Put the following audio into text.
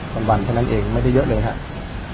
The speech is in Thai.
วันเท่านั้นเองไม่ได้เยอะเลยครับ